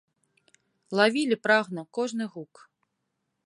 Лавілі прагна кожны гук.